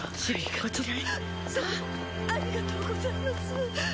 こちらへさあありがとうございます